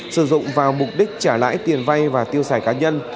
sử dụng vào mục đích trả lãi tiền vay và tiêu xài cá nhân